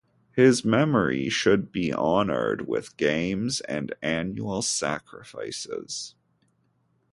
His memory should be honored with games and annual sacrifices.